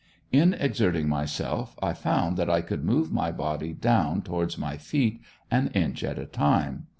In exerting myself I found that I could move my body down towards my feet, an inch at a time.